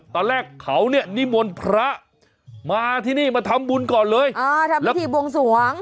ตอนแรกเขาเนี่ยนิมนต์พระมาที่นี่มาทำบุญก่อนเลยอ่าทำพิธีบวงสวง